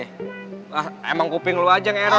hah emang kuping lu aja ngero